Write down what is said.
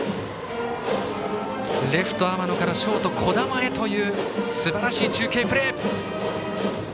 レフト、天野からショート、樹神へというすばらしい中継プレー。